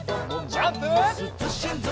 ジャンプ！